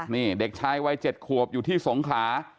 นี่เด็กชายวัย๗ขวบอยู่ที่สงขลา